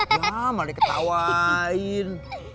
ya malah ketawain